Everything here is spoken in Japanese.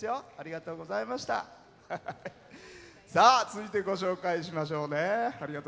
続いて、ご紹介しましょう。